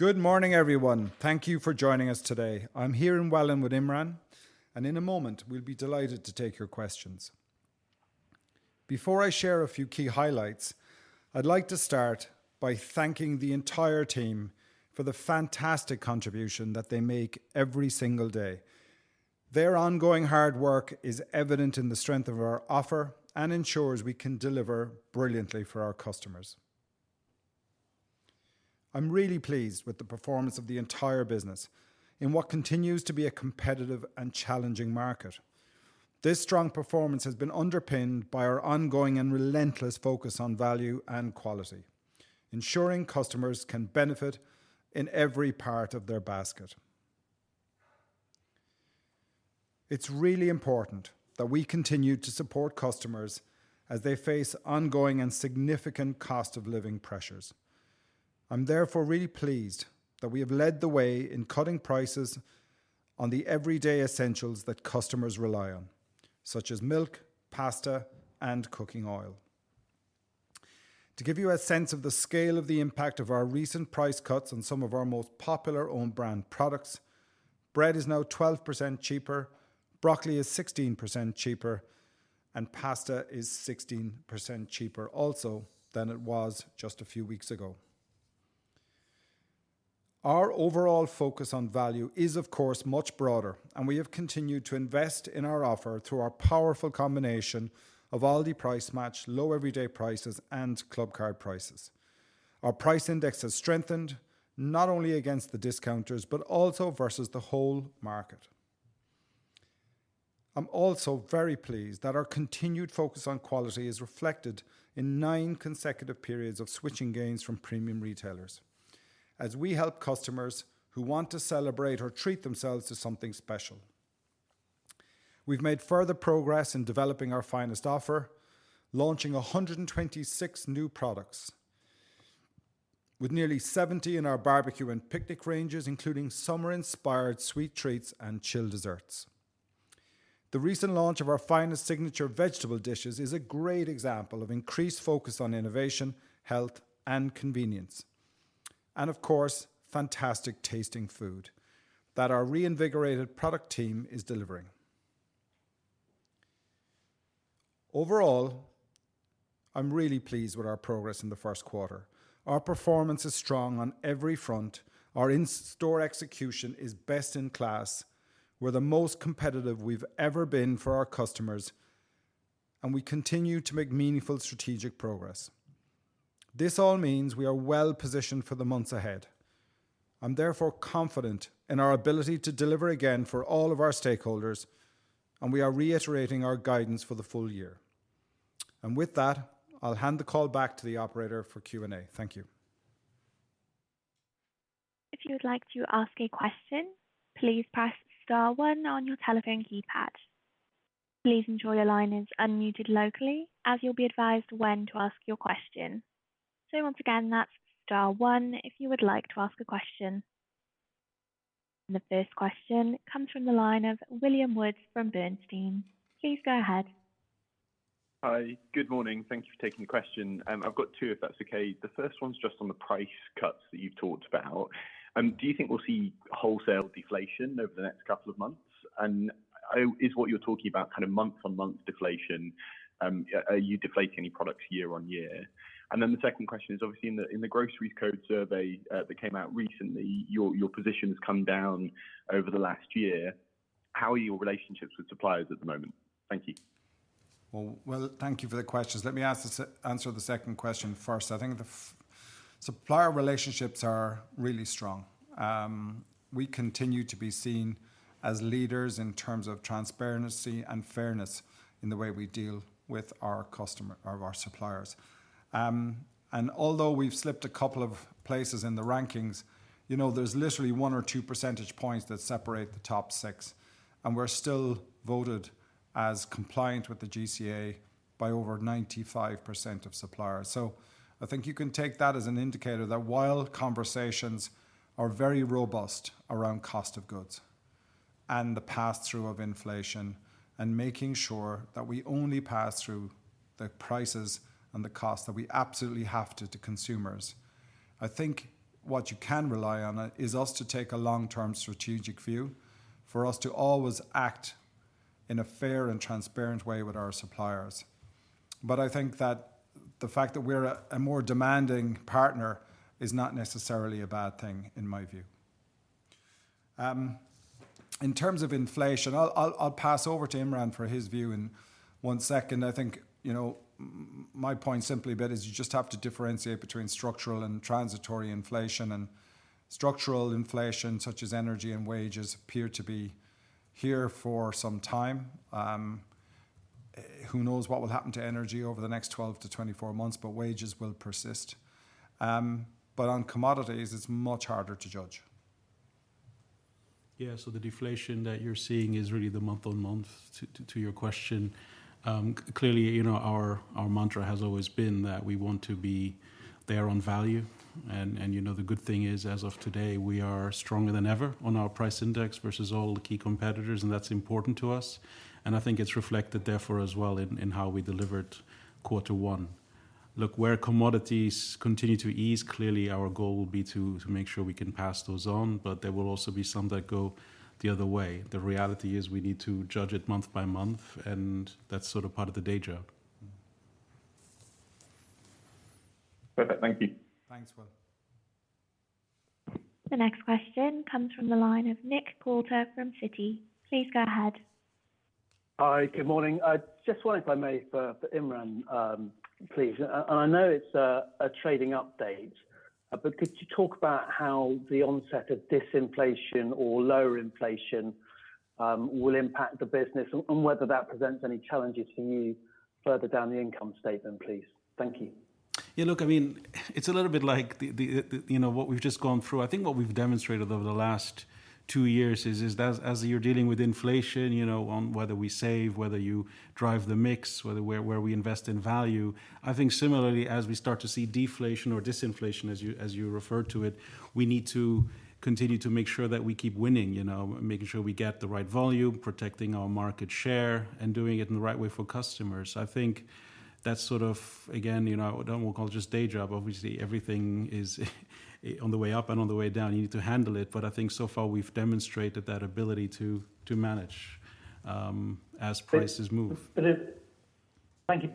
Good morning, everyone. Thank you for joining us today. I'm here in Welwyn with Imran, and in a moment, we'll be delighted to take your questions. Before I share a few key highlights, I'd like to start by thanking the entire team for the fantastic contribution that they make every single day. Their ongoing hard work is evident in the strength of our offer and ensures we can deliver brilliantly for our customers. I'm really pleased with the performance of the entire business in what continues to be a competitive and challenging market. This strong performance has been underpinned by our ongoing and relentless focus on value and quality, ensuring customers can benefit in every part of their basket. It's really important that we continue to support customers as they face ongoing and significant cost of living pressures. I'm therefore really pleased that we have led the way in cutting prices on the everyday essentials that customers rely on, such as milk, pasta, and cooking oil. To give you a sense of the scale of the impact of our recent price cuts on some of our most popular own brand products, bread is now 12% cheaper, broccoli is 16% cheaper, and pasta is 16% cheaper also than it was just a few weeks ago. Our overall focus on value is, of course, much broader, and we have continued to invest in our offer through our powerful combination of Aldi Price Match, Low Everyday Prices, and Clubcard Prices. Our price index has strengthened not only against the discounters, but also versus the whole market. I'm also very pleased that our continued focus on quality is reflected in 9 consecutive periods of switching gains from premium retailers as we help customers who want to celebrate or treat themselves to something special. We've made further progress in developing our Finest offer, launching 126 new products, with nearly 70 in our barbecue and picnic ranges, including summer-inspired sweet treats and chill desserts. The recent launch of our Finest Signature Vegetables dishes is a great example of increased focus on innovation, health, and convenience. Of course, fantastic tasting food that our reinvigorated product team is delivering. Overall, I'm really pleased with our progress in the first quarter. Our performance is strong on every front. Our in-store execution is best in class. We're the most competitive we've ever been for our customers. We continue to make meaningful strategic progress. This all means we are well positioned for the months ahead. I'm therefore confident in our ability to deliver again for all of our stakeholders. We are reiterating our guidance for the full year. With that, I'll hand the call back to the operator for Q&A. Thank you. If you would like to ask a question, please press star one on your telephone keypad. Please ensure your line is unmuted locally, as you'll be advised when to ask your question. Once again, that's star one if you would like to ask a question. The first question comes from the line of William Woods from Bernstein. Please go ahead. Hi. Good morning. Thank you for taking the question. I've got two, if that's okay. The first one's just on the price cuts that you've talked about. Do you think we'll see wholesale deflation over the next couple of months? Is what you're talking about kind of month-on-month deflation? Are you deflating any products year-on-year? The second question is, obviously, in the Groceries Code Survey that came out recently, your position has come down over the last year. How are your relationships with suppliers at the moment? Thank you. Well, thank you for the questions. Let me answer the second question first. I think the supplier relationships are really strong. We continue to be seen as leaders in terms of transparency and fairness in the way we deal with our customer or our suppliers. Although we've slipped a couple of places in the rankings, you know, there's literally one or two percentage points that separate the top six, and we're still voted as compliant with the GCA by over 95% of suppliers. I think you can take that as an indicator that while conversations are very robust around cost of goods and the pass-through of inflation, and making sure that we only pass through the prices and the costs that we absolutely have to consumers, I think what you can rely on is us to take a long-term strategic view, for us to always act in a fair and transparent way with our suppliers. I think that the fact that we're a more demanding partner is not necessarily a bad thing, in my view. In terms of inflation, I'll pass over to Imran for his view in 1 second. I think, you know, my point simply, but is you just have to differentiate between structural and transitory inflation. Structural inflation, such as energy and wages, appear to be here for some time. Who knows what will happen to energy over the next 12 to 24 months, but wages will persist. On commodities, it's much harder to judge. Yeah. The deflation that you're seeing is really the month on month, to your question. Clearly, you know, our mantra has always been that we want to be there on value and you know, the good thing is, as of today, we are stronger than ever on our price index versus all the key competitors, and that's important to us, and I think it's reflected therefore as well in how we delivered quarter one. Look, where commodities continue to ease, clearly our goal will be to make sure we can pass those on, but there will also be some that go the other way. The reality is we need to judge it month by month, and that's sort of part of the day job. Perfect. Thank you. Thanks, Will. The next question comes from the line of Nick Coulter from Citi. Please go ahead. Hi, good morning. I just wonder if I may, for Imran, please. I know it's a trading update, but could you talk about how the onset of disinflation or lower inflation will impact the business and whether that presents any challenges for you further down the income statement, please? Thank you. Look, I mean, it's a little bit like the, the, you know, what we've just gone through. I think what we've demonstrated over the last two years is that as you're dealing with inflation, you know, whether we save, whether you drive the mix, whether where we invest in value, I think similarly, as we start to see deflation or disinflation, as you referred to it, we need to continue to make sure that we keep winning, you know, making sure we get the right volume, protecting our market share, and doing it in the right way for customers. I think that's sort of, again, you know, what we'll call just day job. Obviously, everything is on the way up and on the way down, you need to handle it. I think so far we've demonstrated that ability to manage, as prices move. Thank you.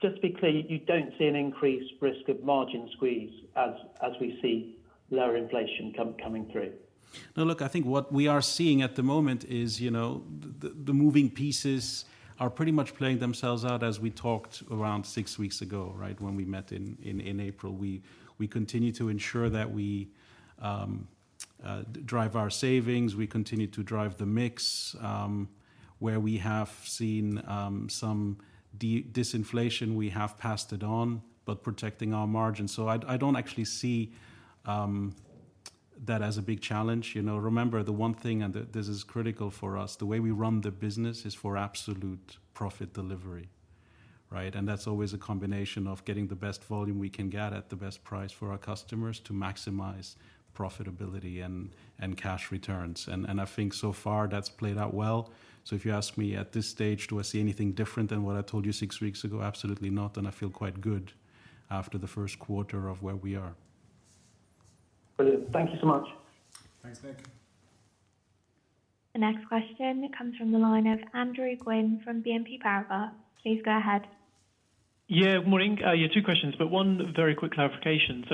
Just to be clear, you don't see an increased risk of margin squeeze as we see lower inflation coming through? No, look, I think what we are seeing at the moment is, you know, the moving pieces are pretty much playing themselves out as we talked around six weeks ago, right? When we met in April. We continue to ensure that we drive our savings, we continue to drive the mix. Where we have seen some disinflation, we have passed it on, but protecting our margins. I don't actually see that as a big challenge. You know, remember, the one thing, and this is critical for us, the way we run the business is for absolute profit delivery, right? That's always a combination of getting the best volume we can get at the best price for our customers to maximize profitability and cash returns. I think so far that's played out well. If you ask me at this stage, do I see anything different than what I told you 6 weeks ago? Absolutely not, and I feel quite good after the 1st quarter of where we are. Brilliant. Thank you so much. Thanks, Nick. The next question comes from the line of Andrew Gwynn from BNP Paribas. Please go ahead. Yeah, good morning. Yeah, two questions, but one very quick clarification.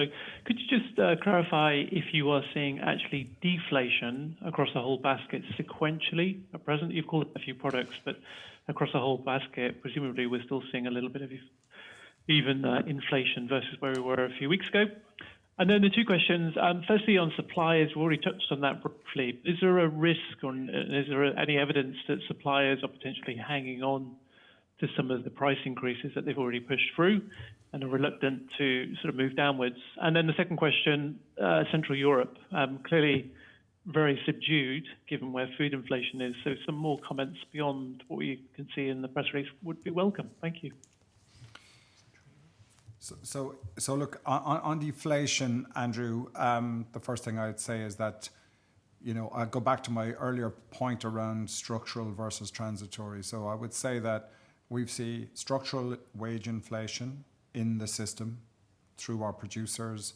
Could you just clarify if you are seeing actually deflation across the whole basket sequentially at present? You've called it a few products, but across the whole basket, presumably, we're still seeing a little bit of even inflation versus where we were a few weeks ago. The two questions, firstly, on suppliers, we already touched on that briefly. Is there a risk or is there any evidence that suppliers are potentially hanging on to some of the price increases that they've already pushed through and are reluctant to sort of move downwards? The second question, Central Europe, clearly very subdued given where food inflation is. Some more comments beyond what we can see in the press release would be welcome. Thank you. Look, on deflation, Andrew, the first thing I'd say is that, you know, I'll go back to my earlier point around structural versus transitory. I would say that we've see structural wage inflation in the system through our producers,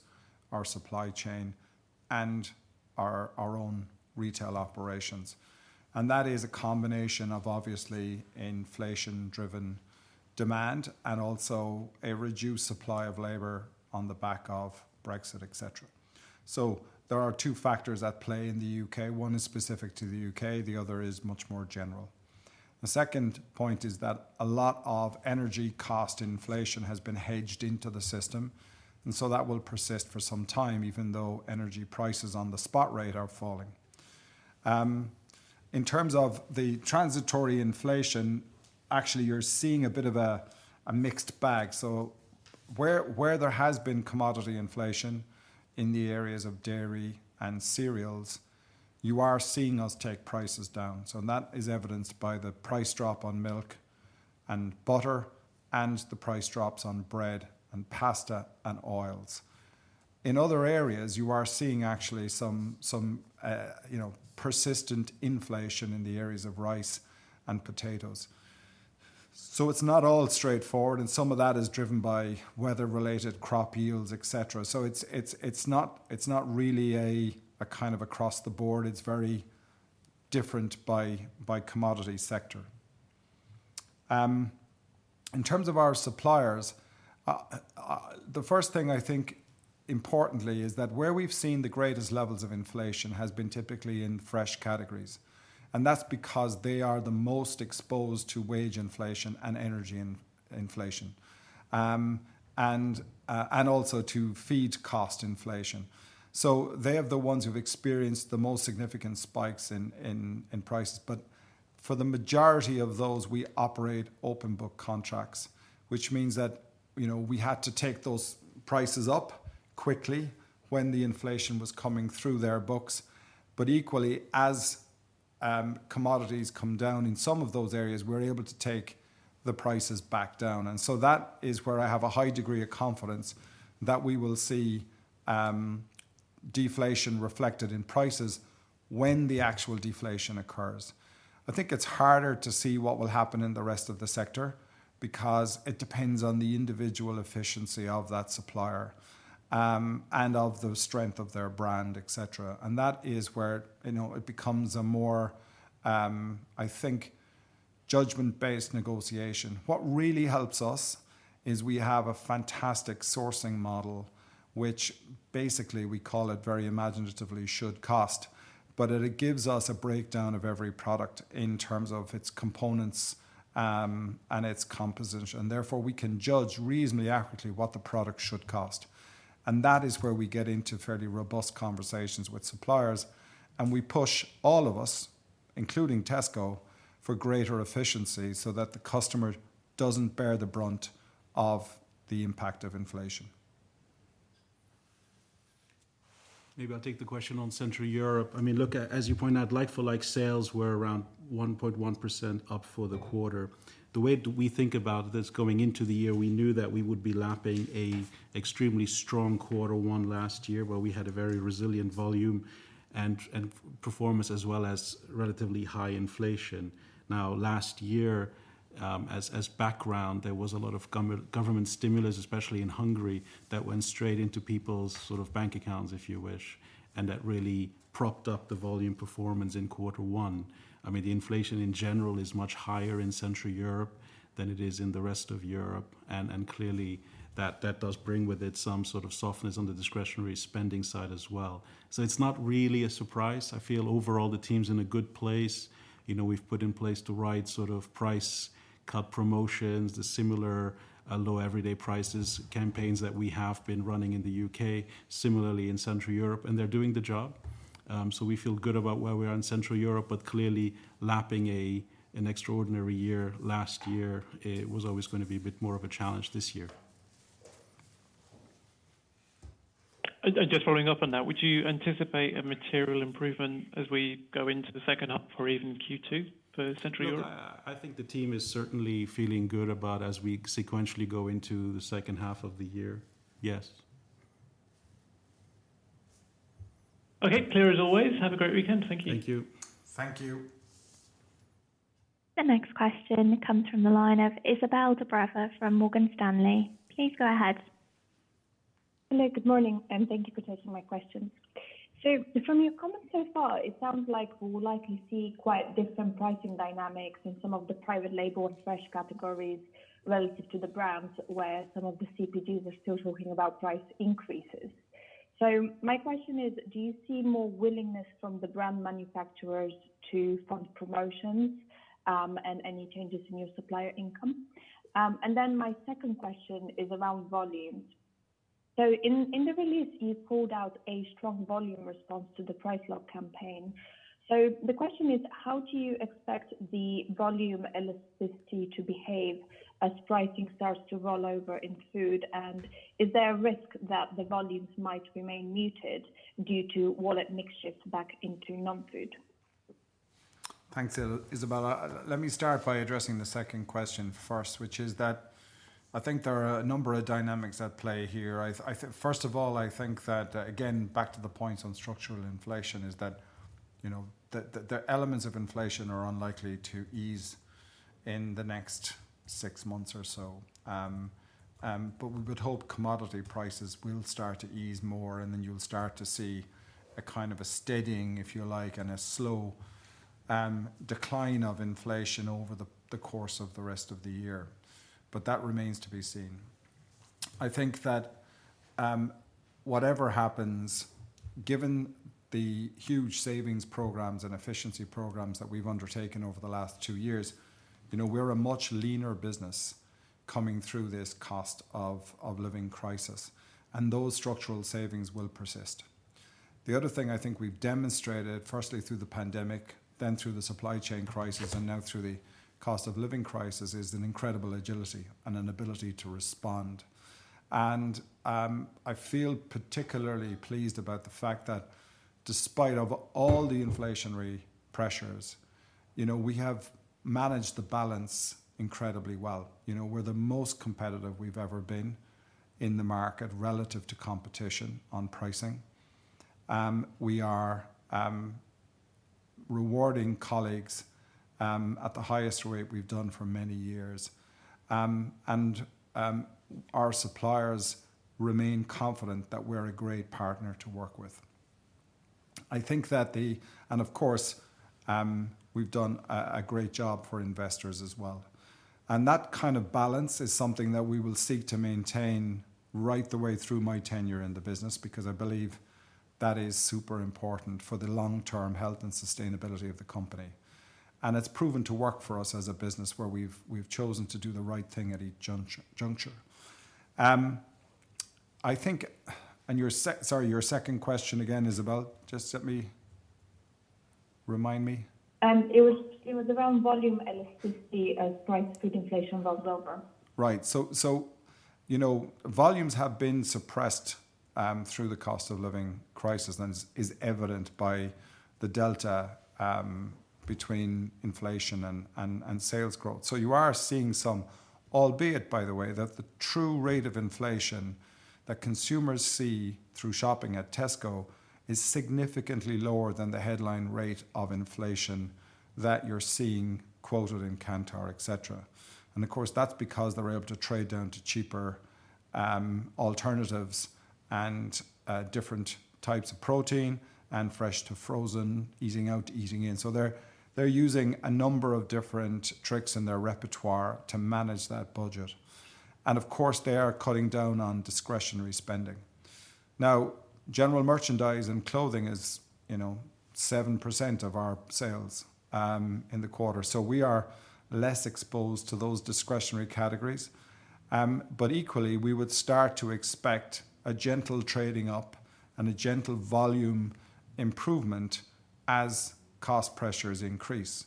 our supply chain, and our own retail operations. That is a combination of obviously, inflation-driven demand and also a reduced supply of labor on the back of Brexit, et cetera. There are two factors at play in the U.K. One is specific to the U.K., the other is much more general. The second point is that a lot of energy cost inflation has been hedged into the system, and so that will persist for some time, even though energy prices on the spot rate are falling. In terms of the transitory inflation, actually, you're seeing a bit of a mixed bag. Where there has been commodity inflation in the areas of dairy and cereals, you are seeing us take prices down, so and that is evidenced by the price drop on milk and butter, and the price drops on bread and pasta and oils. In other areas, you are seeing actually some, you know, persistent inflation in the areas of rice and potatoes. It's not all straightforward, and some of that is driven by weather-related crop yields, et cetera. It's not really a kind of across the board. It's very different by commodity sector. In terms of our suppliers, the first thing I think, importantly, is that where we've seen the greatest levels of inflation has been typically in fresh categories, and that's because they are the most exposed to wage inflation and energy inflation, and also to feed cost inflation. They are the ones who've experienced the most significant spikes in prices. For the majority of those, we operate open book contracts, which means that, you know, we had to take those prices up quickly when the inflation was coming through their books. Equally, as commodities come down in some of those areas, we're able to take the prices back down. That is where I have a high degree of confidence that we will see deflation reflected in prices when the actual deflation occurs. I think it's harder to see what will happen in the rest of the sector because it depends on the individual efficiency of that supplier, and of the strength of their brand, et cetera. That is where, you know, it becomes a more, I think, judgment-based negotiation. What really helps us is we have a fantastic sourcing model, which basically we call it very imaginatively, should cost. It gives us a breakdown of every product in terms of its components, and its composition, and therefore, we can judge reasonably accurately what the product should cost. That is where we get into fairly robust conversations with suppliers, and we push all of us, including Tesco, for greater efficiency so that the customer doesn't bear the brunt of the impact of inflation. Maybe I'll take the question on Central Europe. I mean, look, as you point out, like-for-like sales were around 1.1% up for the quarter. The way that we think about this going into the year, we knew that we would be lapping a extremely strong quarter one last year, where we had a very resilient volume and performance, as well as relatively high inflation. Last year, as background, there was a lot of government stimulus, especially in Hungary, that went straight into people's sort of bank accounts, if you wish, and that really propped up the volume performance in quarter one. I mean, the inflation, in general, is much higher in Central Europe than it is in the rest of Europe, and clearly, that does bring with it some sort of softness on the discretionary spending side as well. It's not really a surprise. I feel overall, the team's in a good place. You know, we've put in place the right sort of price cut promotions, the similar, Low Everyday Prices campaigns that we have been running in the U.K., similarly in Central Europe, and they're doing the job. We feel good about where we are in Central Europe, but clearly lapping a, an extraordinary year last year, was always gonna be a bit more of a challenge this year. Just following up on that, would you anticipate a material improvement as we go into the second half or even Q2 for Central Europe? No, I think the team is certainly feeling good about as we sequentially go into the second half of the year. Yes. Okay, clear as always. Have a great weekend. Thank you. Thank you. Thank you. The next question comes from the line of Izabel Dobreva from Morgan Stanley. Please go ahead. Hello, good morning, and thank you for taking my questions. From your comments so far, it sounds like we will likely see quite different pricing dynamics in some of the private label or fresh categories relative to the brands, where some of the CPGs are still talking about price increases. My question is, do you see more willingness from the brand manufacturers to fund promotions, and any changes in your supplier income? My second question is around volumes. In the release, you called out a strong volume response to the Price Lock campaign. The question is, how do you expect the volume elasticity to behave as pricing starts to roll over in food? Is there a risk that the volumes might remain muted due to wallet mix shift back into non-food? Thanks, Izabel. Let me start by addressing the second question first, which is that I think there are a number of dynamics at play here. I think first of all, I think that again, back to the point on structural inflation, is that, you know, the elements of inflation are unlikely to ease in the next 6 months or so. We would hope commodity prices will start to ease more, and then you'll start to see a kind of a steadying, if you like, and a slow decline of inflation over the course of the rest of the year. That remains to be seen. I think that, whatever happens, given the huge savings programs and efficiency programs that we've undertaken over the last two years, you know, we're a much leaner business coming through this cost of living crisis, and those structural savings will persist. The other thing I think we've demonstrated, firstly through the pandemic, then through the supply chain crisis, and now through the cost of living crisis, is an incredible agility and an ability to respond. I feel particularly pleased about the fact that despite of all the inflationary pressures, you know, we have managed the balance incredibly well. You know, we're the most competitive we've ever been in the market relative to competition on pricing. We are rewarding colleagues at the highest rate we've done for many years. Our suppliers remain confident that we're a great partner to work with. Of course, we've done a great job for investors as well. That kind of balance is something that we will seek to maintain right the way through my tenure in the business, because I believe that is super important for the long-term health and sustainability of the company. It's proven to work for us as a business where we've chosen to do the right thing at each juncture. I think, Sorry, your second question again, Izabel, just let me remind me. It was around volume elasticity as price food inflation rolls over. Right. You know, volumes have been suppressed through the cost of living crisis, and is evident by the delta between inflation and sales growth. You are seeing some, albeit, by the way, that the true rate of inflation that consumers see through shopping at Tesco is significantly lower than the headline rate of inflation that you're seeing quoted in Kantar, et cetera. Of course, that's because they were able to trade down to cheaper alternatives and different types of protein and fresh to frozen, easing out to easing in. They're using a number of different tricks in their repertoire to manage that budget. Of course, they are cutting down on discretionary spending. General merchandise and clothing is, you know, 7% of our sales in the quarter, so we are less exposed to those discretionary categories. Equally, we would start to expect a gentle trading up and a gentle volume improvement as cost pressures increase.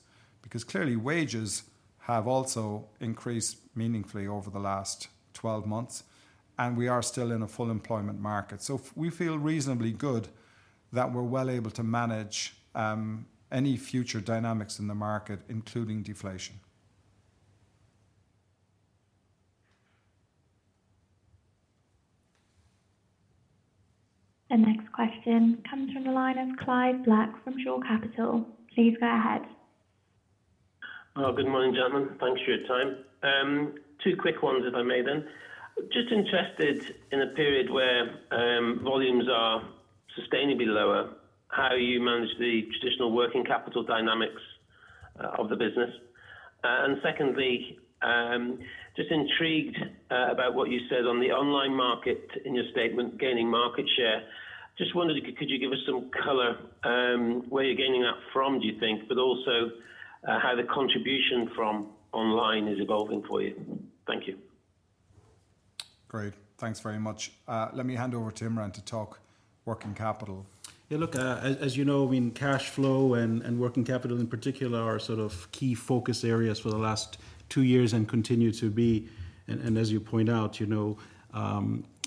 Clearly, wages have also increased meaningfully over the last 12 months, and we are still in a full employment market. We feel reasonably good that we're well able to manage any future dynamics in the market, including deflation. The next question comes from the line of Clive Black from Shore Capital. Please go ahead. Good morning, gentlemen. Thanks for your time. Two quick ones, if I may then. Just interested in a period where volumes are sustainably lower, how you manage the traditional working capital dynamics of the business? Secondly, just intrigued about what you said on the online market in your statement, gaining market share. Just wondered, could you give us some color, where you're gaining that from, do you think, but also, how the contribution from online is evolving for you? Thank you. Great, thanks very much. Let me hand over to Imran to talk working capital. Yeah, look, as you know, I mean, cash flow and working capital in particular are sort of key focus areas for the last two years and continue to be. As you point out, you know,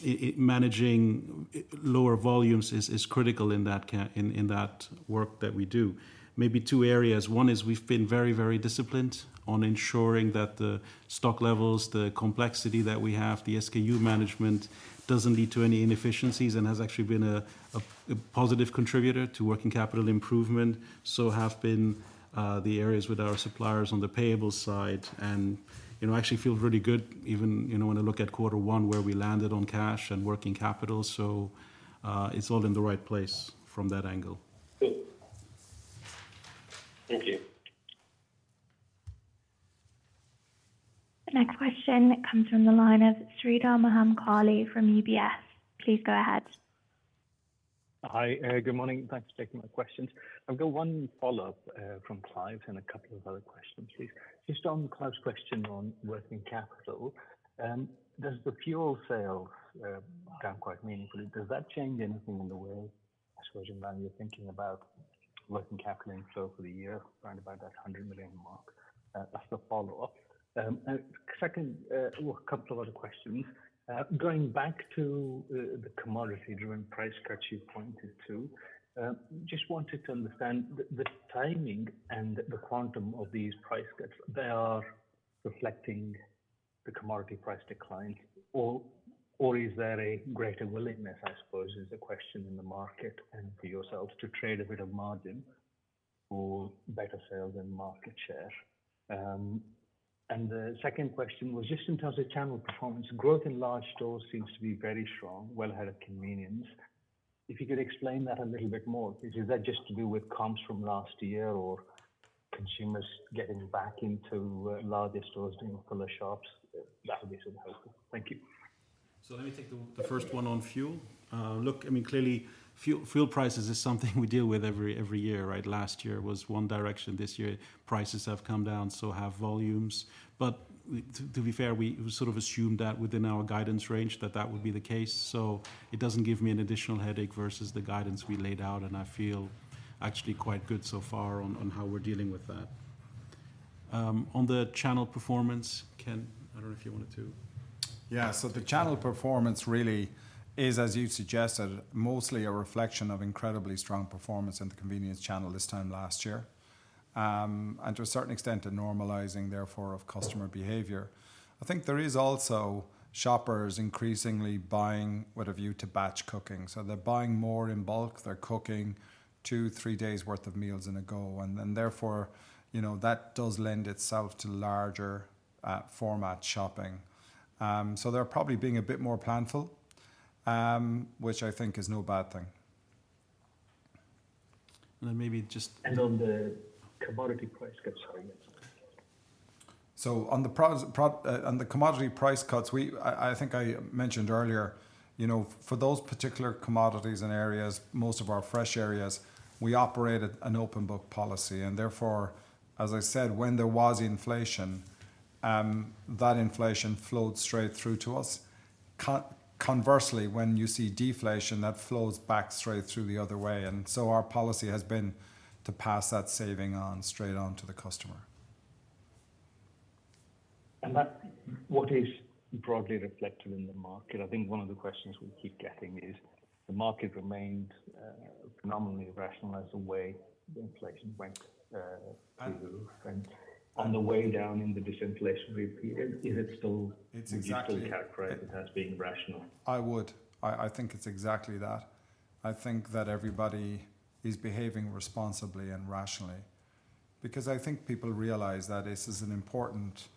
it managing lower volumes is critical in that work that we do. Maybe two areas. One is we've been very disciplined on ensuring that the stock levels, the complexity that we have, the SKU management, doesn't lead to any inefficiencies and has actually been a positive contributor to working capital improvement, so have been the areas with our suppliers on the payable side. You know, actually feel really good, even, you know, when I look at quarter one, where we landed on cash and working capital. It's all in the right place from that angle. Great. Thank you. The next question comes from the line of Sridhar Mahamkali from UBS. Please go ahead. Hi, good morning. Thanks for taking my questions. I've got one follow-up from Clive and a couple of other questions, please. Just on Clive's question on working capital, does the fuel sales down quite meaningfully? Does that change anything in the way, I suppose, Imran, you're thinking about working capital inflow for the year, around about that 100 million mark? That's the follow-up. Second, well, a couple of other questions. Going back to the commodity-driven price cuts you pointed to, just wanted to understand the timing and the quantum of these price cuts. They are reflecting the commodity price decline, or is there a greater willingness, I suppose, is the question in the market and for yourselves to trade a bit of margin for better sales and market share? The second question was just in terms of channel performance, growth in large stores seems to be very strong, well ahead of convenience. If you could explain that a little bit more, is that just to do with comps from last year or consumers getting back into larger stores, doing fuller shops? That would be so helpful. Thank you. Let me take the first one on fuel. Look, I mean, clearly, fuel prices is something we deal with every year, right? Last year was one direction. This year, prices have come down, so have volumes. To be fair, we sort of assumed that within our guidance range, that would be the case. It doesn't give me an additional headache versus the guidance we laid out, and I feel actually quite good so far on how we're dealing with that. On the channel performance, Ken, I don't know if you wanted to. The channel performance really is, as you suggested, mostly a reflection of incredibly strong performance in the convenience channel this time last year. To a certain extent, a normalizing, therefore, of customer behavior. I think there is also shoppers increasingly buying with a view to batch cooking. They're buying more in bulk. They're cooking two, three days worth of meals in a go, therefore, you know, that does lend itself to larger format shopping. They're probably being a bit more planful, which I think is no bad thing. Maybe just on the commodity price cuts, sorry. On the commodity price cuts, we, I think I mentioned earlier, you know, for those particular commodities and areas, most of our fresh areas, we operate at an open book policy, and therefore, as I said, when there was inflation, that inflation flowed straight through to us. Conversely, when you see deflation, that flows back straight through the other way. Our policy has been to pass that saving on straight on to the customer. That, what is broadly reflected in the market? I think one of the questions we keep getting is the market remained, phenomenally rational as the way the inflation went, through. On the way down in the disinflationary period, is it still- It's exactly- Would you still characterize it as being rational? I would. I think it's exactly that. I think that everybody is behaving responsibly and rationally, because I think people realize that this is an important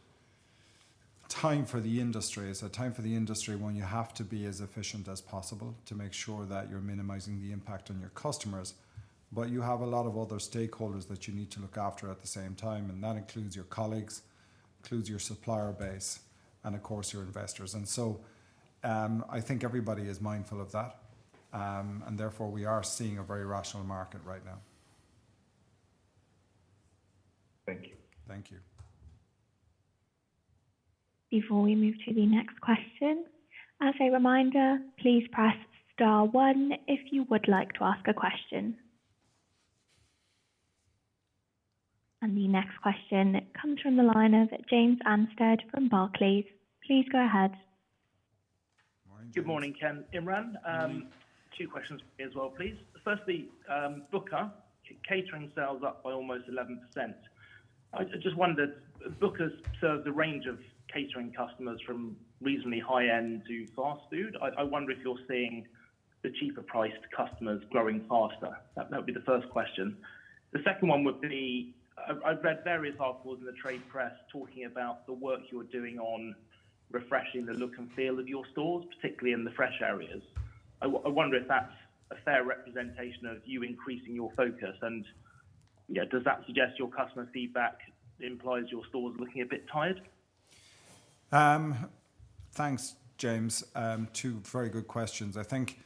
time for the industry. It's a time for the industry when you have to be as efficient as possible to make sure that you're minimizing the impact on your customers, but you have a lot of other stakeholders that you need to look after at the same time, and that includes your colleagues, includes your supplier base, and of course, your investors. I think everybody is mindful of that, and therefore, we are seeing a very rational market right now. Thank you. Thank you. Before we move to the next question, as a reminder, please press star one if you would like to ask a question. The next question comes from the line of James Anstead from Barclays. Please go ahead. Good morning, Ken, Imran. Two questions for you as well, please. Firstly, Booker catering sales up by almost 11%. I just wondered, Booker serves the range of catering customers from reasonably high-end to fast food. I wonder if you're seeing the cheaper priced customers growing faster? That would be the first question. The second one would be, I've read various articles in the trade press talking about the work you're doing on refreshing the look and feel of your stores, particularly in the fresh areas. I wonder if that's a fair representation of you increasing your focus and, yeah, does that suggest your customer feedback implies your stores looking a bit tired? Thanks, James. Two very good questions. I think,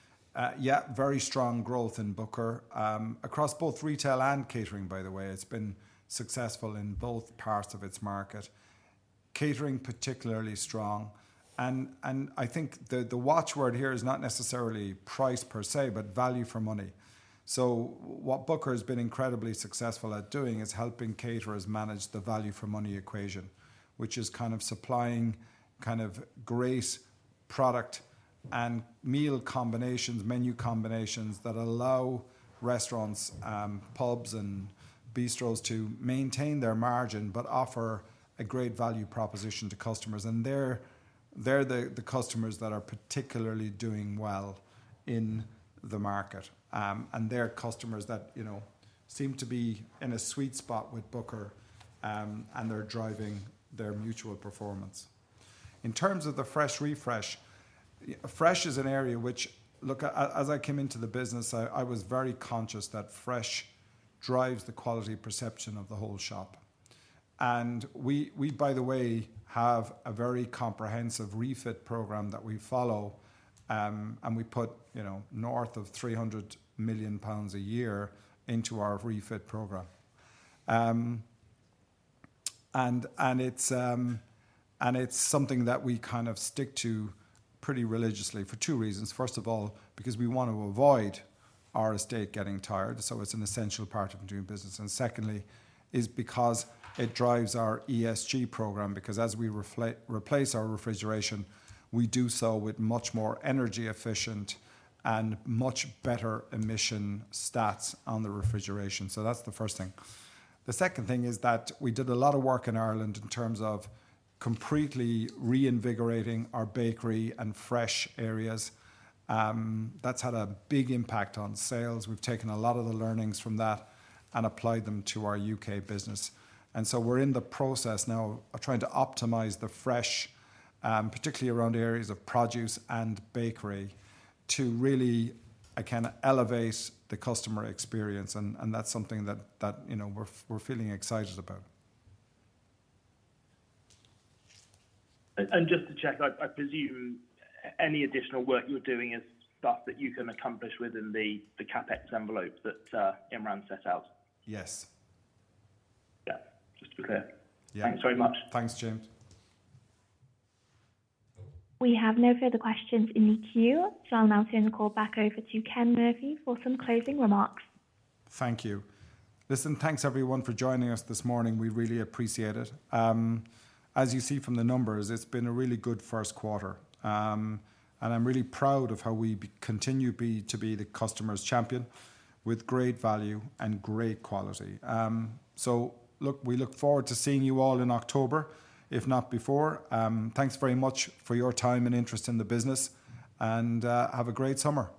yeah, very strong growth in Booker, across both retail and catering, by the way. It's been successful in both parts of its market. Catering, particularly strong, and I think the watchword here is not necessarily price per se, but value for money. What Booker has been incredibly successful at doing is helping caterers manage the value for money equation, which is kind of supplying kind of great product and meal combinations, menu combinations, that allow restaurants, pubs and bistros to maintain their margin, but offer a great value proposition to customers. They're the customers that are particularly doing well in the market. They're customers that, you know, seem to be in a sweet spot with Booker, and they're driving their mutual performance. In terms of the Fresh refresh, Fresh is an area which. Look, as I came into the business, I was very conscious that Fresh drives the quality perception of the whole shop. We, by the way, have a very comprehensive refit program that we follow, and we put, you know, north of 300 million pounds a year into our refit program. It's something that we kind of stick to pretty religiously for two reasons. First of all, because we want to avoid our estate getting tired, so it's an essential part of doing business. Secondly, is because it drives our ESG program, because as we replace our refrigeration, we do so with much more energy efficient and much better emission stats on the refrigeration. That's the first thing. The second thing is that we did a lot of work in Ireland in terms of completely reinvigorating our bakery and fresh areas. That's had a big impact on sales. We've taken a lot of the learnings from that and applied them to our U.K. business. We're in the process now of trying to optimize the Fresh, particularly around the areas of produce and bakery, to really, kind of elevate the customer experience, and that's something that, you know, we're feeling excited about. Just to check, I presume any additional work you're doing is stuff that you can accomplish within the CapEx envelope that Imran set out? Yes. Yeah. Just to be clear. Yeah. Thanks very much. Thanks, James. We have no further questions in the queue, so I'll now turn the call back over to Ken Murphy for some closing remarks. Thank you. Listen, thanks, everyone, for joining us this morning. We really appreciate it. As you see from the numbers, it's been a really good first quarter. I'm really proud of how we continue to be the customer's champion with great value and great quality. Look, we look forward to seeing you all in October, if not before. Thanks very much for your time and interest in the business, have a great summer.